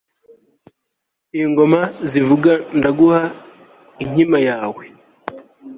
iy'ingoma zivuga ndaguha inkima yawe